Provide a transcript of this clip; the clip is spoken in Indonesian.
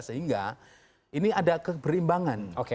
sehingga ini ada keberimanan